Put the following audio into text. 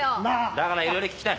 だからいろいろ聞きたい。